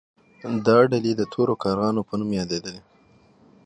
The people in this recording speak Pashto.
دا ډلې د تورو کارغانو په نوم یادیدلې.